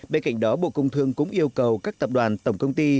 bên cạnh đó bộ công thương cũng yêu cầu các tập đoàn tổng công ty